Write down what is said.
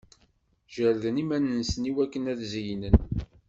Jerden iman-nsen i wakken ad-zeynen.